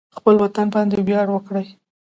خپل وطن باندې ویاړ وکړئ